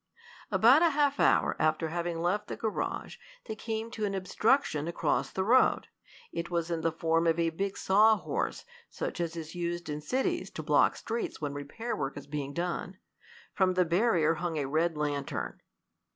About a half hour after having left the garage they came to an obstruction across the road. It was in the form of a big sawhorse such as is used in cities to block streets when repair work is being done. From the barrier hung a red lantern.